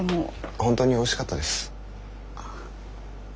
本当においしかったです。